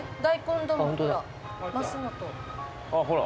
あっほら。